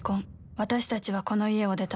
私たちは、この家を出た。